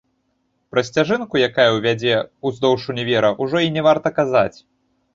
Пра сцяжынку, якая вядзе ўздоўж універа, ужо і не варта казаць.